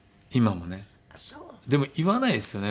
でも言わないですね